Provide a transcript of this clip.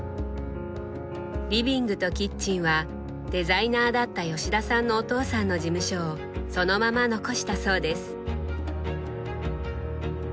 リビングとキッチンはデザイナーだった吉田さんのお父さんの事務所をそのまま残したそうです。